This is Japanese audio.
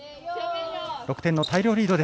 ６点の大量リード